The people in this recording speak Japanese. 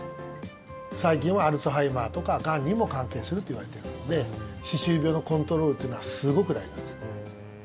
最近はアルツハイマーとかがんにも関係するといわれているので歯周病のコントロールというのはすごく大事なんです。